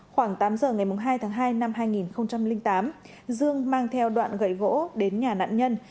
khoảng tám giờ ngày hai tháng hai năm hai nghìn tám dương mang theo đoạn gậy gỗ đến nhà nạn nhân